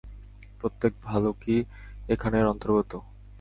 প্রত্যেক ভালুকই এখানের অন্তর্গত।